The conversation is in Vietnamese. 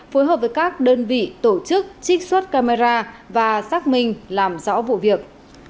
phối hợp với các đơn vị tổ chức trích xuất camera và xác minh làm rõ vụ việc